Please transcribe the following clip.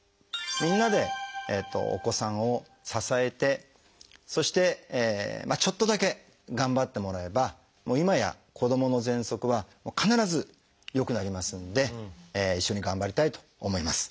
みんなでお子さんを支えてそしてちょっとだけ頑張ってもらえばもう今や子どものぜんそくは必ず良くなりますんで一緒に頑張りたいと思います。